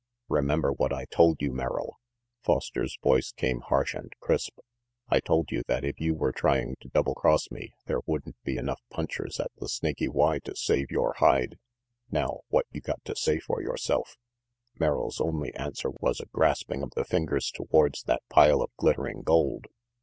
"Remember what I told you, Merrill," Foster's 396 RANGY PETE if you voice came harsh and crisp. "I told you that if you were trying to double cross me, there wouldn't be enough punchers at the Snaky Y to save yore hide. Now what you got to say for yoreself?" Merrill's only answer was a grasping of the fingers towards that pile of glittering gold.